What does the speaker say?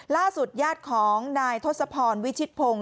ล่าสุดญาติของนายทศพรวิชิตพงศ์